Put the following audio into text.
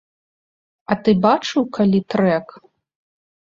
А ты бачыў калі трэк?